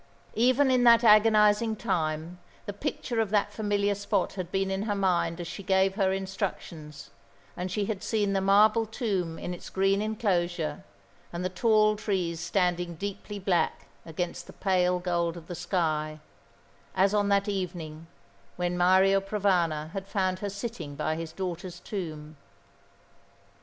Even in that agonising time the picture of that familiar spot had been in her mind as she gave her instructions; and she had seen the marble tomb in its green enclosure, and the tall trees standing deeply black against the pale gold of the sky, as on that evening when Mario Provana had found her sitting by his daughter's tomb.